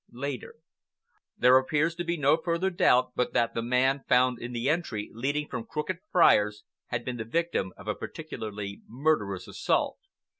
LATER There appears to be no further doubt but that the man found in the entry leading from Crooked Friars had been the victim of a particularly murderous assault.